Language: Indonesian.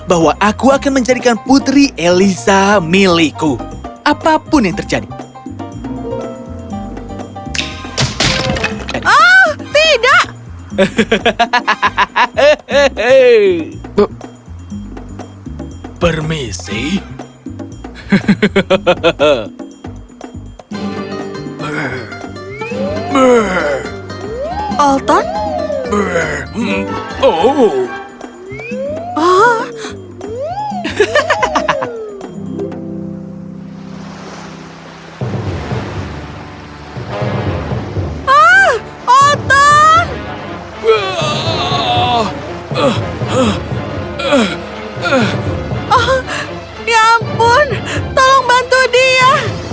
oh ya ampun tolong bantu dia